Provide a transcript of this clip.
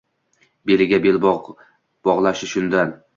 Beliga belbog‘ bog‘lashi shundan